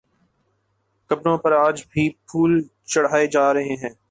قبروں پر آج بھی پھول چڑھائے جا رہے ہیں